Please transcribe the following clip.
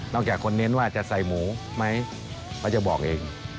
จากคนเน้นว่าจะใส่หมูไหมเขาจะบอกเอง